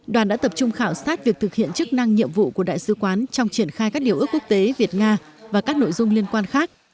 đoàn đã tập trung khảo sát việc thực hiện chức năng nhiệm vụ của đại sứ quán trong triển khai các điều ước quốc tế việt nga và các nội dung liên quan khác